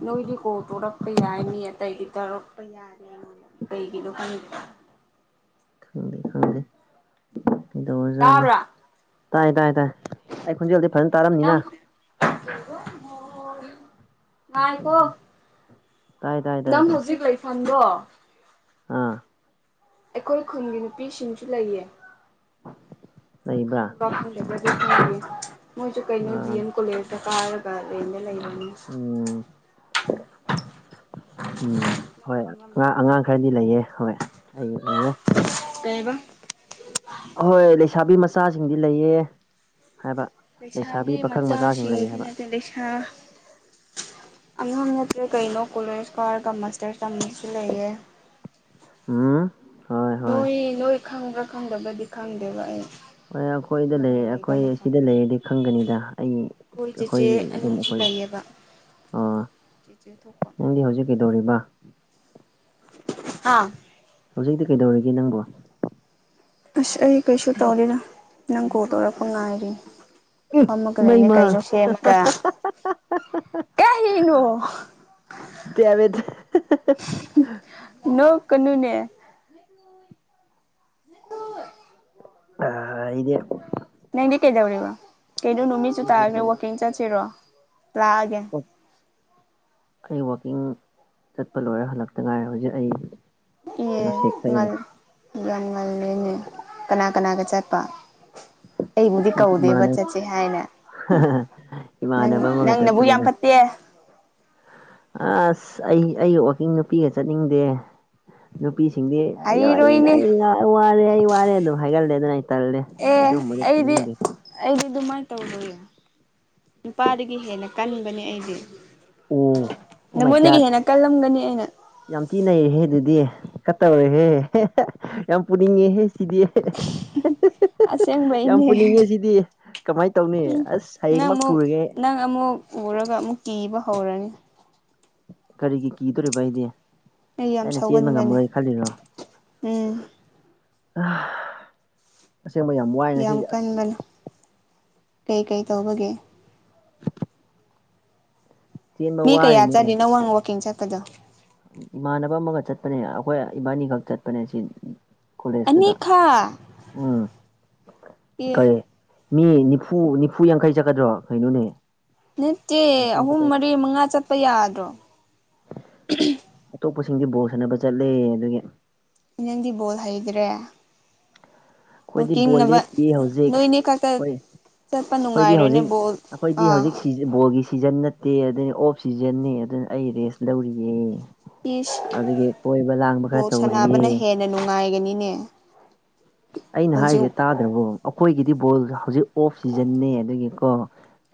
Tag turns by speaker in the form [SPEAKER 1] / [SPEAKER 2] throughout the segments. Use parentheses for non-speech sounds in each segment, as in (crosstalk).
[SPEAKER 1] ꯅꯣꯏꯗꯤ ꯀꯣꯜ ꯇꯧꯔꯛꯄ ꯌꯥꯏꯅꯤ ꯑꯇꯩꯗꯤ ꯇꯧꯔꯛꯄ ꯌꯥꯗꯦ ꯑꯩꯉꯣꯟꯗ ꯀꯩꯒꯤꯅꯣ ꯈꯪꯗꯦ
[SPEAKER 2] ꯊꯝ ꯍꯝ ꯀꯗꯔꯖꯅꯣ
[SPEAKER 1] ꯇꯥꯕ꯭ꯔꯥ
[SPEAKER 2] ꯇꯥꯏ ꯇꯥ ꯇꯥꯏ ꯇ ꯈ
[SPEAKER 1] (inaudible) ꯉꯥꯏꯈꯣ
[SPEAKER 2] ꯇꯥꯏ ꯇꯥꯏ ꯇꯥꯏ
[SPEAKER 1] ꯅꯪ
[SPEAKER 2] ꯇꯥꯏ
[SPEAKER 1] ꯍꯧꯖꯤꯛ ꯂꯩꯐꯝꯗꯣ
[SPEAKER 2] ꯑꯥ
[SPEAKER 1] ꯑꯩꯈꯣꯏ ꯈꯨꯟꯒꯤ ꯅꯨꯄꯤꯁꯤꯡꯁꯨ ꯂꯩꯌꯦ ꯅꯪ
[SPEAKER 2] ꯂꯩꯕ꯭ꯔꯥ
[SPEAKER 1] ꯈꯪ꯭ꯔ ꯐꯪꯗꯦꯕ꯭ꯔꯗꯤ ꯃꯣꯏꯁꯨ ꯀꯥꯏꯅꯣ
[SPEAKER 2] ꯑꯥ
[SPEAKER 1] ꯖꯤꯟ ꯀꯂ ꯀꯔꯒ ꯂꯩꯅꯦ ꯂꯩꯅꯤꯡꯅꯤ
[SPEAKER 2] ꯎꯝ ꯎꯝ
[SPEAKER 1] ꯉ
[SPEAKER 2] ꯍꯣꯏ
[SPEAKER 1] ꯈꯪ ꯉꯝꯗ
[SPEAKER 2] ꯑꯉꯥꯡ ꯑꯉꯥꯡ
[SPEAKER 1] ꯈꯪꯗꯕ
[SPEAKER 2] ꯈꯔꯗꯤ ꯂꯩꯌꯦ ꯍꯣꯏ ꯑꯩ ꯎꯋꯦ
[SPEAKER 1] ꯀꯥꯏꯕ
[SPEAKER 2] ꯑꯍꯣꯏ ꯂꯩꯁꯥꯕꯤ ꯃꯆꯥꯁꯤꯡꯗꯤ ꯂꯩꯌꯦ ꯍꯥꯏꯕ
[SPEAKER 1] ꯂꯩꯁꯥꯕꯤ
[SPEAKER 2] ꯄꯥꯈꯪ ꯃꯆꯥꯁꯤꯡ ꯂꯩ
[SPEAKER 1] ꯃꯆꯥꯁꯤꯡꯗꯤ
[SPEAKER 2] ꯍꯥꯏꯕ
[SPEAKER 1] ꯅꯠꯇꯦ ꯂꯩꯁꯥ ꯑꯉꯥꯡ ꯅꯠꯇ꯭ꯔꯦ ꯀꯩꯅꯣ ꯀꯣꯂꯦꯖ ꯀꯋꯥꯔꯒ ꯃꯥꯁꯇꯔꯁ ꯇꯝꯝꯕꯁꯨ ꯂꯩꯌꯦꯦ
[SPEAKER 2] ꯎꯝ ꯍꯣꯏ ꯍꯣꯏ
[SPEAKER 1] ꯅꯣꯏ ꯅꯣꯏ ꯈꯪꯕ꯭ꯔꯥ ꯈꯪꯗꯕꯗꯤ ꯈꯪꯗꯦꯕ ꯑꯩ
[SPEAKER 2] ꯍꯣꯏ ꯑꯩꯈꯣꯏꯗ ꯂꯩ
[SPEAKER 1] ꯅꯪꯅ ꯂꯩꯕ
[SPEAKER 2] ꯑꯩꯈꯣꯏ ꯁꯤꯗ
[SPEAKER 1] ꯃꯐꯝꯗ
[SPEAKER 2] ꯂꯩꯔꯗꯤ ꯈꯪꯒꯅꯤꯗ ꯑꯩ ꯑꯩꯈꯣꯏ
[SPEAKER 1] ꯆꯦꯆꯦ
[SPEAKER 2] ꯑꯗꯨꯝ
[SPEAKER 1] ꯑꯅꯤꯁꯨ
[SPEAKER 2] ꯑꯩꯈꯣꯏ
[SPEAKER 1] ꯂꯩꯌꯦꯕ ꯆꯦꯆꯦ ꯊꯣꯛꯄ
[SPEAKER 2] ꯅꯪꯗꯤ ꯍꯧꯖꯤꯛ ꯀꯩꯗꯧꯔꯤꯕ ꯝ
[SPEAKER 1] ꯑꯥ
[SPEAKER 2] ꯍꯧꯖꯤꯛꯇꯤ ꯀꯩꯗꯧꯔꯒꯦ ꯅꯪꯕꯨ
[SPEAKER 1] ꯑꯁ ꯑꯩ ꯀꯩꯁꯨ ꯇꯧꯔꯤꯅ ꯅꯪ ꯀꯣꯜ ꯇꯧꯔꯛꯄ ꯉꯥꯏꯔꯤꯅꯦ ꯐꯝꯃꯒ ꯂꯩꯅꯦ
[SPEAKER 2] ꯃꯩꯃ
[SPEAKER 1] ꯀꯩꯅꯣ ꯁꯦꯝꯃꯒ ꯀꯔꯤꯅꯣ
[SPEAKER 2] ꯇꯕꯗꯤ
[SPEAKER 1] ꯅꯣ ꯀꯩꯅꯨꯅꯦ
[SPEAKER 2] ꯑ ꯏꯦ
[SPEAKER 1] ꯅꯪꯗꯤ ꯀꯩꯗꯧꯔꯤꯕ ꯀꯩꯩꯅꯣ ꯅꯨꯃꯤꯠꯁꯨ
[SPEAKER 2] ꯑꯩꯗꯤ
[SPEAKER 1] ꯇꯥꯒꯦ ꯋꯥꯛꯀꯤꯡ ꯆꯠꯁꯤꯔꯣ ꯂꯥꯛꯑꯒꯦ
[SPEAKER 2] ꯀꯕ ꯀꯛꯆꯤꯡ ꯆꯠꯄ ꯂꯣꯏꯔ ꯍꯜꯂꯛꯇ ꯉꯥꯏꯔ ꯍꯧꯖꯤꯛ ꯑꯩ ꯀꯩꯅꯣ ꯁꯦꯛꯊꯛꯏꯅꯦ
[SPEAKER 1] ꯌ ꯉꯜꯅꯦ ꯀꯅꯥ ꯀꯅꯥꯒ ꯆꯠꯄ ꯑꯩꯕꯨꯗꯤ ꯀꯧꯗꯦꯕ
[SPEAKER 2] ꯏꯃꯥꯟꯅꯕ
[SPEAKER 1] ꯆꯠꯁꯦ ꯍꯥꯏꯅ ꯅꯪ
[SPEAKER 2] ꯏꯃꯥꯟꯅꯕ ꯑꯃꯒ
[SPEAKER 1] ꯅꯪꯅꯕꯨ ꯌꯥꯝ
[SPEAKER 2] ꯆꯠꯄꯅꯤꯅ
[SPEAKER 1] ꯐꯠꯇꯦ
[SPEAKER 2] ꯑꯁ ꯑꯩ ꯑꯩ ꯋꯥꯋꯥꯛꯀꯤꯡ ꯅꯨꯄꯤꯒ ꯆꯠꯅꯤꯡꯗꯦ ꯅꯨꯄꯤꯁꯤꯡꯗꯤ ꯑꯌ
[SPEAKER 1] ꯍꯥꯏꯔꯣꯏꯅꯦ
[SPEAKER 2] ꯑꯩꯅ ꯋꯥꯔꯦ ꯑꯩ ꯋꯥꯔꯦ ꯑꯗꯨꯝ ꯍꯥꯏꯒꯜꯂꯦ ꯑꯗꯨꯅ ꯑꯩ ꯇꯜꯂꯦ ꯑꯩ ꯑꯗꯨꯝꯕꯗꯤ ꯄꯨꯅꯤꯡꯗꯦ
[SPEAKER 1] ꯑꯩ ꯇꯧꯗꯣꯏ ꯅꯨꯄꯥꯗꯒꯤ ꯍꯦꯟꯅ ꯀꯟꯕꯅꯦ ꯑꯩꯁꯦ
[SPEAKER 2] ꯑꯣ ꯑꯣꯃꯥꯏ ꯀꯌꯥꯠ
[SPEAKER 1] ꯀꯜꯂꯝꯒꯅꯤ ꯑꯩꯅ
[SPEAKER 2] ꯌꯥꯝ ꯇꯤꯅꯩꯔꯍꯦ ꯑꯗꯨꯗꯤ ꯀꯠꯇꯧꯔꯦꯍꯦ ꯌꯥꯝ ꯄꯨꯅꯤꯡꯉꯦꯍꯦ ꯁꯤꯗꯤ ꯌꯥꯝ
[SPEAKER 1] ꯑꯁꯦꯡꯕꯩꯅꯦ
[SPEAKER 2] ꯄꯨꯅꯤꯡꯉꯦ ꯁꯤꯗꯤ ꯀꯃꯥꯏꯅ ꯇꯧꯅꯤ
[SPEAKER 1] ꯎꯝ
[SPEAKER 2] ꯑꯁ
[SPEAKER 1] ꯅꯪ
[SPEAKER 2] ꯍꯌꯦꯡꯃꯛ
[SPEAKER 1] ꯑꯃꯨꯛ
[SPEAKER 2] ꯄꯨꯔꯒꯦ
[SPEAKER 1] ꯅꯪ ꯑꯃꯨꯛ ꯎꯔꯒ ꯑꯃꯨꯛ ꯀꯤꯕ ꯍꯧꯔꯅꯤ
[SPEAKER 2] ꯀꯔꯤꯒꯤꯒꯤ ꯇꯔ ꯄꯍꯤꯗꯦ
[SPEAKER 1] ꯑꯩ ꯌꯥꯝ
[SPEAKER 2] ꯑꯩꯅ ꯆꯦꯟꯕ
[SPEAKER 1] ꯁꯥꯎꯒꯟꯕꯅꯦ
[SPEAKER 2] ꯉꯝꯃꯔꯣꯏ ꯈꯜꯂꯤꯔꯣ
[SPEAKER 1] ꯎꯝ
[SPEAKER 2] ꯑꯁꯦꯡꯕ ꯌꯥꯝ ꯋꯥꯏ ꯉꯁꯤꯁꯦ ꯑꯁ
[SPEAKER 1] ꯀꯩꯀꯩ ꯇꯧꯕꯒꯦ
[SPEAKER 2] ꯆꯦꯟꯕ
[SPEAKER 1] ꯃꯤ ꯀꯌꯥ ꯆꯠꯂꯤ
[SPEAKER 2] ꯋꯥꯔꯤꯅꯦ
[SPEAKER 1] ꯅ ꯋꯥꯪ ꯋꯥꯛꯀꯤꯡ ꯆꯠꯀꯗꯣ
[SPEAKER 2] ꯏꯃꯥꯟꯅꯕ ꯑꯃꯒ ꯆꯠꯄꯅꯦ ꯑꯩꯈꯣꯏ ꯏꯕꯥꯅꯤꯈꯛ ꯆꯠꯄꯅꯦ ꯁꯤ ꯀꯣꯂꯦꯖꯇꯨꯗ
[SPEAKER 1] ꯑꯅꯤꯈꯥ
[SPEAKER 2] ꯎꯝ
[SPEAKER 1] ꯑꯦ
[SPEAKER 2] ꯀꯔꯤ ꯃꯤ ꯅꯤꯐꯨ ꯅꯤꯐꯨ ꯌꯥꯡꯈꯩ ꯆꯠꯀꯗ꯭ꯔꯣ ꯀꯩꯅꯣꯅꯦ
[SPEAKER 1] ꯅꯠꯇꯦ ꯑꯍꯨꯝ ꯃꯔꯤ ꯃꯉꯥ ꯆꯠꯄ ꯌꯥꯗ꯭ꯔꯣ
[SPEAKER 2] ꯑꯇꯣꯞꯄꯁꯤꯡꯗꯤ ꯕꯣꯜ ꯁꯥꯟꯅꯕ ꯆꯠꯂꯦ ꯑꯗꯒꯤ
[SPEAKER 1] ꯅ ꯅꯪꯗꯤ ꯕꯣꯜ ꯍꯩꯗ꯭ꯔꯦ
[SPEAKER 2] ꯑꯩꯈꯣꯏꯗꯤ ꯕꯣꯜ
[SPEAKER 1] ꯋꯥꯛꯀꯤꯡꯅꯕ
[SPEAKER 2] ꯂꯦꯞꯄꯤ ꯍꯧꯖꯤꯛ
[SPEAKER 1] ꯅꯣꯏꯅꯤ ꯈꯛꯇ
[SPEAKER 2] ꯍꯣꯏ
[SPEAKER 1] ꯆꯠꯄ
[SPEAKER 2] ꯑꯩꯈꯣꯏꯗꯤ
[SPEAKER 1] ꯅꯨꯡꯉꯥꯏꯔꯣꯏꯅꯦ
[SPEAKER 2] ꯍꯧꯖꯤꯛ
[SPEAKER 1] ꯕꯣꯜ
[SPEAKER 2] ꯑꯩꯈꯣꯏꯗꯤ
[SPEAKER 1] ꯑꯥ
[SPEAKER 2] ꯍꯧꯖꯤꯛ ꯁꯤꯕꯣꯒꯤ ꯁꯤꯖꯟ ꯅꯠꯇꯦ ꯑꯗꯨꯅꯤ ꯑꯣꯐ ꯁꯤꯖꯟꯅꯦ ꯑꯗꯨꯅ ꯑꯩ ꯔꯦꯁ ꯂꯧꯔꯤꯌꯦ
[SPEAKER 1] ꯏꯁ
[SPEAKER 2] ꯑꯗꯨꯒꯤ ꯀꯣꯏꯕ ꯂꯥꯡꯕ ꯈꯔ
[SPEAKER 1] ꯕꯣꯜ
[SPEAKER 2] ꯇꯧꯔꯤꯌꯦ
[SPEAKER 1] ꯁꯥꯟꯅꯕꯅ ꯍꯦꯟꯅ ꯅꯨꯡꯉꯥꯏꯒꯅꯤꯅꯦ
[SPEAKER 2] (unintelligible) ꯑꯩꯅ ꯍꯥꯏꯔꯤꯁꯦ
[SPEAKER 1] ꯍꯧꯖꯤꯛ
[SPEAKER 2] ꯇꯥꯗ꯭ꯔꯕꯣ ꯑꯩꯈꯣꯏꯒꯤꯗꯤ ꯕꯣꯜ ꯍꯧꯖꯤꯛ ꯑꯣꯐ ꯁꯤꯖꯟꯅꯦ ꯑꯗꯨꯗꯒꯤ ꯀꯣ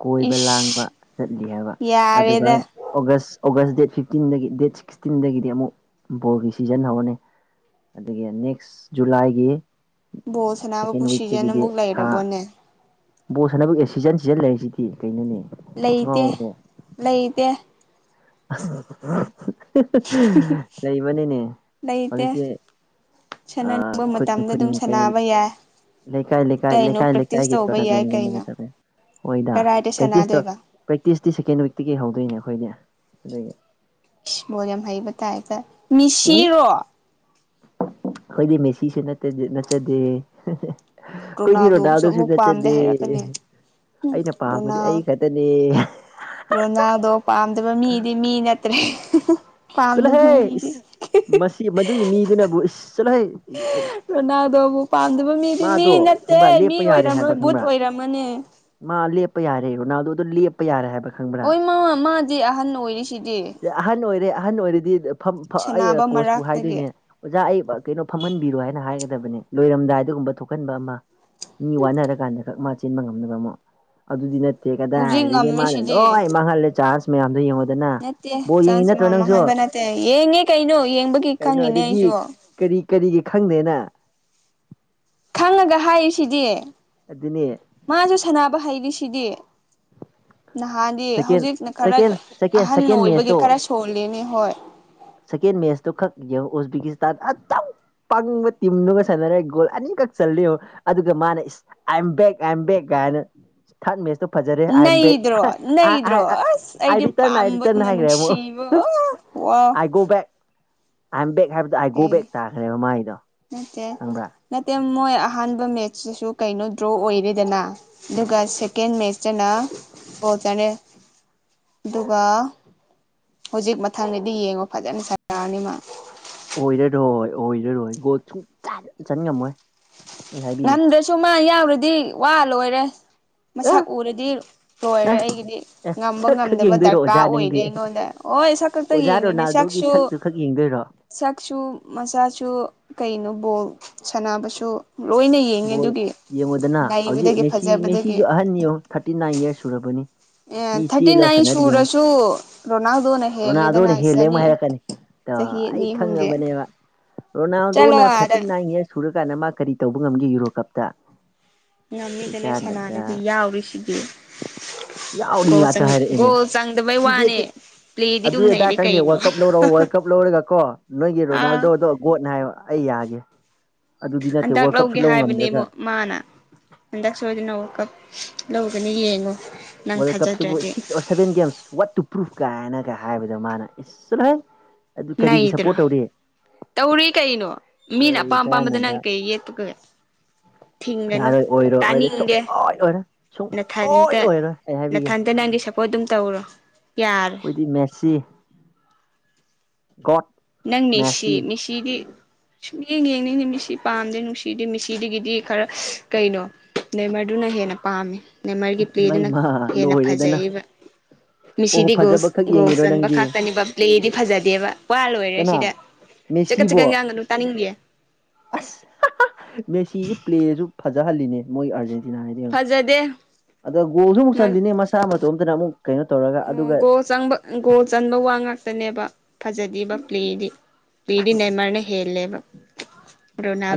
[SPEAKER 2] ꯀꯣꯏꯕ ꯂꯥꯡꯕ
[SPEAKER 1] ꯏꯁ
[SPEAKER 2] ꯆꯠꯂꯤ ꯍꯥꯏꯕ ꯑꯗꯨꯒ
[SPEAKER 1] ꯌꯥꯔꯦꯗ
[SPEAKER 2] ꯑꯣꯒꯁ ꯑꯣꯒꯁ ꯗꯦꯠ ꯐꯤꯐꯇꯤꯟꯗꯒꯤ ꯗꯦꯠ ꯁꯤꯛꯁꯇꯤꯟꯗꯒꯤꯗꯤ ꯑꯃꯨꯛ ꯕꯣꯔꯒꯤ ꯁꯤꯖꯟ ꯍꯧꯔꯅꯤ ꯑꯗꯒꯤ ꯅꯦꯛꯁ ꯖꯨꯂꯥꯏꯒꯤ
[SPEAKER 1] ꯕꯣꯜ ꯁꯥꯟꯅꯕꯕꯨ
[SPEAKER 2] ꯁꯦꯀꯦꯟ
[SPEAKER 1] ꯁꯤꯖꯟ
[SPEAKER 2] ꯋꯤꯛꯇꯒꯤꯗꯤ
[SPEAKER 1] ꯑꯃꯨꯛ
[SPEAKER 2] ꯊꯥ
[SPEAKER 1] ꯂꯩꯔꯕꯣꯅꯦ
[SPEAKER 2] ꯕꯣꯠ ꯁꯅꯕ ꯑꯦ ꯁꯤꯖꯟ ꯁꯤꯖꯟ ꯂꯩꯔꯤꯁꯤꯗꯤ
[SPEAKER 1] ꯂꯩꯇꯦ
[SPEAKER 2] ꯀꯩꯅꯣꯅꯦꯃꯥꯡꯗ
[SPEAKER 1] ꯂꯩꯇꯦ
[SPEAKER 2] ꯂꯩꯕꯅꯤꯅꯦ
[SPEAKER 1] ꯂꯩꯇꯦ
[SPEAKER 2] ꯍꯧꯖꯤꯛꯇꯤ ꯑ
[SPEAKER 1] ꯁꯥꯟꯅꯅꯤꯡꯕ
[SPEAKER 2] ꯈꯨꯟ
[SPEAKER 1] ꯃꯇꯝꯗ
[SPEAKER 2] ꯈꯨꯟ
[SPEAKER 1] ꯑꯗꯨꯝ
[SPEAKER 2] ꯀꯩꯗ
[SPEAKER 1] ꯁꯥꯟꯅꯕ ꯌꯥꯏ
[SPEAKER 2] ꯂꯩꯦꯈꯥꯏ ꯂꯩꯈꯥꯏ
[SPEAKER 1] ꯀꯩꯅꯣ
[SPEAKER 2] ꯂꯩꯈꯥꯏ
[SPEAKER 1] ꯄ꯭ꯔꯦꯛꯇꯤꯁ
[SPEAKER 2] ꯂꯩꯦꯈꯥꯏꯒꯤ
[SPEAKER 1] ꯇꯧꯕ
[SPEAKER 2] ꯏꯣ
[SPEAKER 1] ꯌꯥꯏ ꯀꯩꯅꯣ
[SPEAKER 2] ꯅꯦ ꯇꯅꯦ ꯍꯣꯏꯗ
[SPEAKER 1] ꯀꯗꯥꯏꯗ
[SPEAKER 2] ꯄ꯭ꯔꯦꯛꯇꯤꯁꯇꯧ
[SPEAKER 1] ꯁꯥꯟꯅꯗꯣꯏꯕ
[SPEAKER 2] ꯄ꯭ꯔꯦꯛꯇꯤꯁꯇꯤ ꯁꯦꯀꯦꯟ ꯋꯤꯛꯇꯒꯤꯍꯧꯗꯣꯏꯅꯦ ꯑꯩꯈꯣꯏꯅꯦ ꯑꯗꯨꯒꯤ
[SPEAKER 1] ꯣ ꯌꯥꯝ ꯍꯩꯕ ꯇꯥꯏꯞꯇ
[SPEAKER 2] ꯎꯝ
[SPEAKER 1] ꯃꯤꯁꯤꯔꯣ
[SPEAKER 2] ꯑꯩꯈꯣꯏꯗꯤ ꯃꯦꯁꯤꯁꯦ ꯅꯠꯆꯗꯦ ꯑꯩꯈꯣꯏꯗꯤ
[SPEAKER 1] ꯔꯣꯅꯥꯜꯗꯣꯕꯨꯁꯨ
[SPEAKER 2] ꯔꯣꯅꯥꯜꯗꯣꯁꯨ
[SPEAKER 1] ꯑꯃꯨꯛ ꯄꯥꯝꯗꯦ
[SPEAKER 2] ꯅꯠꯆꯗꯦ
[SPEAKER 1] ꯍꯥꯏꯔꯛꯀꯅꯤ
[SPEAKER 2] ꯑꯩꯅ ꯄꯥꯝꯕꯗꯤ
[SPEAKER 1] ꯔꯣꯅꯥꯜ
[SPEAKER 2] ꯑꯩ ꯈꯛꯇꯅꯦ
[SPEAKER 1] ꯔꯣꯅꯥꯜꯗ ꯄꯝ ꯑꯗꯨꯒ ꯃꯤꯗꯤ ꯃꯤ ꯅꯠꯇ꯭ꯔꯦ
[SPEAKER 2] ꯆꯠꯂꯍꯦ
[SPEAKER 1] ꯄꯥꯝꯗꯕ ꯃꯤꯗꯤ
[SPEAKER 2] ꯃꯁꯤ ꯃꯗꯨꯏ ꯃꯤꯗꯨꯅꯕꯨ ꯏꯁ ꯆꯠꯂꯍꯦ
[SPEAKER 1] ꯀꯅꯥꯗꯕꯨ
[SPEAKER 2] ꯃꯥꯗꯣ ꯈꯪꯕ꯭ꯔꯥ ꯂꯦꯞꯄ ꯌꯥꯔꯦ
[SPEAKER 1] ꯑꯣꯏꯔꯝꯂꯣꯏ
[SPEAKER 2] ꯍꯥꯏꯕ꯭ꯔꯥ
[SPEAKER 1] ꯕꯨꯠ
[SPEAKER 2] ꯈꯪꯕ꯭ꯔꯥ
[SPEAKER 1] ꯑꯣꯏꯔꯝꯃꯅꯤ
[SPEAKER 2] ꯃꯥꯞꯄ ꯄꯌꯥꯔꯦꯣꯅ ꯑꯗꯨ ꯂꯞ ꯄꯌꯥꯥꯔ ꯍꯥꯏ
[SPEAKER 1] ꯍ ꯃꯥꯃꯥ ꯃꯥꯗꯤꯦ ꯑꯍꯟ ꯑꯣꯏꯔꯤꯁꯤꯗꯤ
[SPEAKER 2] ꯑꯍꯟ ꯑꯣꯏꯔꯦ ꯑꯍꯟ ꯑꯣꯏꯔꯗꯤ ꯑꯩ
[SPEAKER 1] ꯁꯥꯟꯅꯕ
[SPEAKER 2] ꯀꯣꯆꯄꯨ
[SPEAKER 1] ꯃꯔꯛꯇꯒꯤ
[SPEAKER 2] ꯍꯥꯏꯗꯣꯏꯅꯦ ꯑꯣꯖꯥ ꯑꯩ ꯀꯩꯅꯣ ꯐꯝꯍꯟ ꯔꯣ ꯍꯥꯏꯅ ꯍꯥꯏꯒꯗꯕꯅꯦ ꯂꯣꯏꯔꯝꯗꯥꯏ ꯑꯗꯨꯒꯒꯨꯝꯕ ꯊꯣꯛꯍꯟꯕ ꯑꯃ ꯃꯤ ꯋꯥꯅꯔꯀꯥꯟꯗ ꯈꯛ ꯆꯤꯟꯕ ꯉꯝꯅꯕ ꯑꯃꯣ ꯑꯗꯨꯗꯤ ꯅꯠꯇꯦ
[SPEAKER 1] ꯍꯧꯖꯤꯛ
[SPEAKER 2] ꯀꯗꯥꯏꯗꯒꯤ ꯃꯥꯅ
[SPEAKER 1] ꯉꯝꯃꯤꯁꯤꯗꯤ
[SPEAKER 2] ꯂꯣꯏ ꯃꯥꯡꯍꯜꯂꯦ ꯆꯥꯔꯖ ꯃꯌꯥꯝꯗꯣ ꯌꯦꯡꯉ
[SPEAKER 1] ꯅꯠꯇꯦ ꯆꯥꯟꯁ ꯃ ꯃꯥꯡꯍꯟꯕ ꯅꯠꯇꯦ ꯌꯦꯡꯉꯦ ꯀꯩꯅꯣ ꯌꯦꯡꯕꯒꯤ
[SPEAKER 2] ꯀꯩꯅꯣ
[SPEAKER 1] ꯈꯪꯉꯤꯅꯦ
[SPEAKER 2] ꯑꯗꯨꯗꯤ
[SPEAKER 1] ꯑꯩꯁꯨ
[SPEAKER 2] ꯀꯔꯤ ꯀꯔꯤꯒꯤ ꯈꯪꯗꯦꯅ
[SPEAKER 1] ꯈꯪꯉꯒ ꯍꯥꯏꯔꯤꯁꯤꯗꯤ
[SPEAKER 2] ꯑꯗꯨꯅꯤ
[SPEAKER 1] ꯃꯥꯁꯨ ꯁꯥꯟꯅꯕ ꯍꯥꯏꯩꯔꯤꯁꯤ ꯁꯤꯗꯤ ꯅꯍꯥꯟꯗꯤ
[SPEAKER 2] ꯁꯦꯀꯦꯟ
[SPEAKER 1] ꯍꯧꯖꯤꯛꯅ ꯈꯔ
[SPEAKER 2] ꯁꯦꯀꯦꯟ ꯁꯦꯀꯦꯟ
[SPEAKER 1] ꯑꯍꯟ
[SPEAKER 2] ꯁꯦꯀꯦꯟ
[SPEAKER 1] ꯑꯣꯏꯕꯒꯤ
[SPEAKER 2] ꯃꯦꯠꯁꯇꯣ
[SPEAKER 1] ꯈꯔ ꯁꯣꯜꯂꯤꯦꯅꯦ ꯍꯣꯏ
[SPEAKER 2] ꯁꯦꯀꯦꯟ ꯃꯦꯁꯇꯣ ꯈꯛ ꯌꯦ ꯎꯖꯕꯤꯦꯀꯤꯁꯇꯥꯟ ꯄꯪꯕ ꯇꯤꯝꯗꯨꯒ ꯁꯥꯟꯅꯔꯒ ꯒꯣꯜ ꯑꯅꯤꯈꯛ ꯆꯂ ꯑꯗꯨꯒ ꯃꯥꯅ ꯏꯁ I am back I am back ꯀꯥꯏꯅ ꯊꯥꯔꯠ ꯃꯦꯠꯁꯇꯣ ꯐꯖꯔꯦ ꯑꯦꯝ ꯦꯛ
[SPEAKER 1] ꯅꯩꯗ꯭ꯔꯣ ꯅꯩꯗ꯭ꯔꯣ ꯑꯁ ꯑꯩꯗꯤ
[SPEAKER 2] ꯔꯤꯇꯔꯟ ꯔꯤꯇꯟ
[SPEAKER 1] ꯄꯥꯝꯕꯗꯨꯅ
[SPEAKER 2] ꯍꯥꯏꯈ꯭ꯔꯦ ꯑꯃ ꯑꯃꯣ
[SPEAKER 1] ꯅꯨꯡꯁꯤꯕ ꯋꯥ
[SPEAKER 2] ꯑꯥꯏ ꯒꯣ ꯕꯦꯛ ꯑ ꯑꯦꯝ ꯕꯦꯛ ꯍꯥꯏꯕꯗ ꯑꯥꯏ ꯒꯣ ꯕꯦꯛ ꯇꯥꯈ꯭ꯔꯦꯕ ꯃꯥꯏꯗꯣ
[SPEAKER 1] ꯅꯠꯇ ꯃꯣꯏ ꯑꯍꯥꯟꯕ ꯃꯦꯠꯁꯇꯁꯨ ꯀꯩꯅꯣ ꯗ꯭ꯔꯣ ꯑꯣꯏꯔꯦꯗꯅ ꯑꯗꯨꯒ ꯁꯦꯀꯦꯟ ꯃꯦꯠꯁꯇꯅ ꯑꯣ ꯆꯅꯦ ꯑꯗꯨꯒ ꯍꯧꯖꯤꯛ ꯃꯊꯪꯗꯗꯤ ꯌꯦꯡꯉꯣ ꯐꯖꯅ ꯁꯥꯔꯛꯑꯅꯤ ꯃꯥ
[SPEAKER 2] ꯑꯣꯏꯔꯔꯣꯏ ꯑꯣꯏꯔꯔꯣꯏ ꯒꯣꯠ ꯁꯨꯡ ꯆꯟ ꯉꯝꯃꯣꯏ ꯑꯩ ꯍꯥꯏꯕꯤꯒꯦ
[SPEAKER 1] ꯉꯝꯗ꯭ꯔꯁꯨ ꯃꯥ ꯌꯥꯎꯔꯗꯤ ꯋꯥ ꯂꯣꯏꯔꯦ
[SPEAKER 2] ꯑ
[SPEAKER 1] ꯃꯁꯛ ꯎꯔꯗꯤ
[SPEAKER 2] ꯑ
[SPEAKER 1] ꯂꯣꯏꯔꯦ ꯑꯩꯒꯤꯗꯤ
[SPEAKER 2] ꯑꯦ
[SPEAKER 1] ꯉꯝꯕ
[SPEAKER 2] ꯁꯛ ꯈꯛ
[SPEAKER 1] ꯉꯝꯗꯕ
[SPEAKER 2] ꯌꯦꯡꯗꯣꯏꯔꯣ
[SPEAKER 1] ꯗꯔꯀꯥꯔ
[SPEAKER 2] ꯑꯣꯖꯥ
[SPEAKER 1] ꯑꯣꯏꯔꯦ
[SPEAKER 2] ꯅꯪꯗꯤ
[SPEAKER 1] ꯑꯩꯉꯣꯟꯗ ꯍꯣꯏ ꯁꯛ ꯈꯛꯇ
[SPEAKER 2] ꯑꯣꯖꯥ
[SPEAKER 1] ꯌꯦꯡꯉꯤꯅꯦ
[SPEAKER 2] ꯔꯣꯅꯥꯜꯗꯣꯒꯤ
[SPEAKER 1] ꯆꯥꯛꯁꯨ
[SPEAKER 2] ꯁꯛꯇꯨ ꯈꯛ ꯌꯦꯡꯗꯣꯏꯔꯣ
[SPEAKER 1] ꯁꯛꯁꯨ ꯃꯆꯥꯁꯨ ꯀꯩꯅꯣ ꯕꯣꯜ ꯁꯥꯟꯅꯕꯁꯨ ꯂꯣꯏꯅ ꯌꯦꯡꯉꯦ
[SPEAKER 2] ꯕꯣꯜ
[SPEAKER 1] ꯑꯗꯨꯒꯤ
[SPEAKER 2] ꯌꯦꯡꯉꯨꯗꯅ ꯍꯧꯖꯤꯛ
[SPEAKER 1] ꯅꯩꯕꯗꯒꯤ
[SPEAKER 2] ꯃꯦꯁꯤ
[SPEAKER 1] ꯐꯖꯕꯗꯒꯤ
[SPEAKER 2] ꯃꯦꯁꯤꯁꯨ ꯑꯍꯟꯅꯤꯌꯣ ꯊꯥꯔꯇꯤ ꯅꯥꯏꯟ ꯏꯔꯁ ꯁꯨꯔꯕꯅꯤ
[SPEAKER 1] ꯑꯦ
[SPEAKER 2] ꯃꯤ
[SPEAKER 1] ꯊꯥꯔꯇꯤ
[SPEAKER 2] ꯆꯦꯜꯂꯒ
[SPEAKER 1] ꯅꯥꯏꯟ
[SPEAKER 2] ꯁꯥꯟꯅꯔꯤ ꯌꯦꯡꯉꯨ
[SPEAKER 1] ꯁꯨꯔꯁꯨ ꯔꯣꯅꯥꯜꯗꯣꯅ ꯍꯦꯜꯂꯦꯗꯅ ꯆꯅꯤ
[SPEAKER 2] ꯑ
[SPEAKER 1] ꯆꯍꯤ
[SPEAKER 2] ꯑꯩ
[SPEAKER 1] ꯑꯅꯤ ꯑꯍꯨꯝꯒꯤ
[SPEAKER 2] ꯈꯪꯉꯕꯅꯦꯕ
[SPEAKER 1] ꯆꯠꯂꯣ
[SPEAKER 2] ꯔꯣꯅꯥꯜꯗꯣꯅ
[SPEAKER 1] ꯑꯥꯗ
[SPEAKER 2] ꯊꯥꯔꯇꯤ ꯅꯥꯏꯟ ꯌꯔꯁ ꯁꯨꯔꯀꯥꯟꯗ ꯃꯥ ꯀꯔꯤ ꯇꯧꯕ ꯄꯨꯡ ꯑꯃꯒꯤ ꯌꯨꯔꯣ ꯀꯞꯇ ꯀꯩ
[SPEAKER 1] ꯉꯝꯃꯤꯗꯅꯦ ꯁꯅꯥꯒꯤꯗꯤ
[SPEAKER 2] ꯀꯥꯟꯗꯕꯗ
[SPEAKER 1] ꯌꯥꯎꯔꯤꯁꯤꯗꯤ
[SPEAKER 2] ꯌꯥꯎꯔꯤ
[SPEAKER 1] ꯒꯣꯜ ꯆ
[SPEAKER 2] ꯉꯥꯛꯇ ꯍꯥꯏꯔꯛꯑꯦꯅꯦ
[SPEAKER 1] ꯒꯣꯜ ꯆꯪꯗꯕꯩ ꯋꯥꯅꯦ
[SPEAKER 2] ꯗꯤꯕꯦꯠꯁꯦ
[SPEAKER 1] ꯄ꯭ꯂꯦꯗꯤ
[SPEAKER 2] ꯑꯗꯨ
[SPEAKER 1] ꯑꯗꯨꯝ
[SPEAKER 2] ꯑꯗꯥꯏ
[SPEAKER 1] ꯅꯩꯔꯦ
[SPEAKER 2] ꯈꯪꯗꯦ
[SPEAKER 1] ꯀꯩꯅꯣ
[SPEAKER 2] ꯋꯥꯔꯜ ꯀꯞ ꯂꯧꯔꯛꯑꯣ ꯋꯥꯔꯜ ꯀꯞ ꯂꯧꯔꯒꯀꯣ ꯅꯣꯏꯒꯤ
[SPEAKER 1] ꯑꯥ
[SPEAKER 2] ꯔꯣꯅꯥꯜꯗꯣꯗꯣꯒꯣꯠꯅꯦ ꯍꯥꯏꯕ ꯑꯩ ꯌꯥꯒꯦ ꯑꯗꯨꯗꯤ ꯅ ꯇ
[SPEAKER 1] ꯍꯟꯗꯛ
[SPEAKER 2] ꯋꯥ
[SPEAKER 1] ꯂꯧꯒꯦ ꯍꯥꯏꯕꯅꯦ ꯑꯃ ꯃꯥꯅ ꯍꯟꯗꯛ ꯁꯣꯏꯗꯅ ꯀꯞ ꯂꯧꯒꯅꯤ ꯌꯦꯡꯉꯣ ꯅꯪ
[SPEAKER 2] ꯔ
[SPEAKER 1] ꯊꯥꯖꯗ꯭ꯔꯗꯤ
[SPEAKER 2] ꯀꯕꯨꯚꯦꯟꯨ꯭ꯔ ꯀꯥꯏꯅꯒ ꯍꯥꯏꯕꯗꯣ ꯃꯥꯅ ꯏꯁꯁꯨꯥꯏ ꯑꯗꯨ ꯀꯔꯤꯒꯤ
[SPEAKER 1] ꯅꯩꯗ꯭ꯔꯣ
[SPEAKER 2] ꯁꯞꯄꯣꯔꯠ ꯇꯧꯔꯤ
[SPEAKER 1] ꯇꯧꯔꯤ ꯀꯩꯅꯣ ꯃꯤꯅ
[SPEAKER 2] ꯀꯔꯤ
[SPEAKER 1] ꯑꯄꯥꯝ ꯑꯄꯥꯝꯕꯗ ꯅꯪ
[SPEAKER 2] ꯀꯥꯟꯅꯗ
[SPEAKER 1] ꯀꯩ ꯌꯦꯛꯄꯒꯒꯦ ꯊꯤꯡꯒꯅꯨ
[SPEAKER 2] ꯌꯥꯔꯣꯏ ꯑꯣꯏꯔꯣꯏ ꯑꯣꯏꯔꯣꯏ
[SPEAKER 1] ꯇꯥꯅꯤꯡꯒꯦ
[SPEAKER 2] ꯁꯨꯡꯑꯣꯏ ꯑꯣꯏꯔꯣꯏ ꯁꯨꯡ ꯑꯣꯏ
[SPEAKER 1] ꯅꯊꯥꯅꯤꯇ
[SPEAKER 2] ꯑꯣꯏꯔꯣꯏ ꯑꯩ ꯍꯥꯏꯕꯤꯒꯦ
[SPEAKER 1] ꯅꯥꯊꯟꯇ ꯅꯪꯒꯤ ꯁꯞꯄꯣꯔꯠ ꯑꯗꯨꯝ ꯇꯧꯔꯣ ꯌꯥꯔꯦ
[SPEAKER 2] ꯑꯩꯈꯣꯏꯗꯤ ꯃꯦꯁꯤ ꯒꯣꯠ
[SPEAKER 1] ꯅꯪ ꯃꯦꯁꯤ ꯃꯦꯁꯤꯗꯤ ꯁꯨꯝ ꯌꯦꯡ ꯌꯦꯡꯅꯤꯡꯅꯦ ꯃꯤꯁꯤ ꯄꯥꯝꯗꯦ ꯅꯨꯡꯁꯤꯗꯦ ꯃꯤꯁꯤꯗꯒꯤꯗꯤ ꯈꯔ ꯀꯩꯅꯣ ꯅꯦꯃꯔꯗꯨꯅ ꯍꯦꯟꯅ ꯄꯥꯝꯃꯤ ꯅꯦꯃꯔꯒꯤ
[SPEAKER 2] ꯏꯃꯥ
[SPEAKER 1] ꯄ꯭ꯂꯦꯗꯨꯅ
[SPEAKER 2] ꯏꯃꯥ
[SPEAKER 1] ꯍꯦꯟꯅ
[SPEAKER 2] ꯂꯣꯏꯔꯦꯗꯅ
[SPEAKER 1] ꯐꯖꯩꯕ
[SPEAKER 2] ꯑꯣꯍꯣ
[SPEAKER 1] ꯃꯤꯁꯤꯗꯤ
[SPEAKER 2] ꯐꯖꯕ
[SPEAKER 1] ꯒꯣꯁ
[SPEAKER 2] ꯈꯛ
[SPEAKER 1] ꯒꯣꯁ
[SPEAKER 2] ꯌꯦꯡꯉꯤꯔꯣ
[SPEAKER 1] ꯆꯟꯕ
[SPEAKER 2] ꯅꯪꯗꯤ
[SPEAKER 1] ꯈꯥꯛꯇꯅꯤꯕ꯭ꯂꯗꯤ ꯐꯖꯗꯦꯕ ꯋꯥ ꯂꯣꯏꯔ
[SPEAKER 2] ꯀꯅꯥ
[SPEAKER 1] ꯁꯤꯗ ꯆꯀꯠ ꯆꯠꯀ
[SPEAKER 2] ꯃꯦꯁꯤꯕꯣ
[SPEAKER 1] ꯌꯥꯥꯡꯒꯅꯨ ꯇꯥꯅꯤꯡꯗꯦ
[SPEAKER 2] ꯑꯁ ꯃꯦꯁꯤꯗꯤꯦ ꯄ꯭ꯂꯦꯁꯨ ꯐꯖꯍꯜꯂꯤꯅꯦ ꯃꯣꯏ ꯑꯥꯔꯖꯦꯟ ꯁꯤꯅ ꯍꯥꯏꯗꯤ
[SPEAKER 1] ꯐꯖꯗꯦ
[SPEAKER 2] ꯑꯗ ꯒꯣꯜꯁꯨ ꯑꯃꯨꯛ ꯆꯅꯦ ꯃꯁꯥ ꯃꯇꯣꯝꯇꯅ ꯑꯃꯨꯛ ꯀꯩꯅꯣ ꯇꯧꯔꯒ
[SPEAKER 1] ꯑꯣ
[SPEAKER 2] ꯑꯗꯨꯒ
[SPEAKER 1] ꯒꯣꯜ ꯆꯪꯕ ꯒꯣꯜ ꯆꯟꯕ ꯋꯥ ꯉꯇꯅꯦꯕ ꯐꯖꯗꯔꯤꯕ ꯄ꯭ꯂꯦꯗꯤ ꯄꯤꯗꯤ ꯅꯦꯃꯔꯅꯦ ꯍꯦꯜꯂꯦꯕ